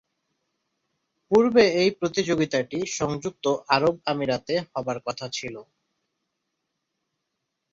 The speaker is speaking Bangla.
পূর্বে এ প্রতিযোগিতাটি সংযুক্ত আরব আমিরাতে হবার কথা ছিল।